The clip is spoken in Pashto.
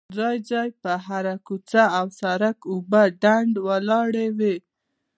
ځای ځای په هره کوڅه او سړ ک اوبه ډنډ ولاړې وې.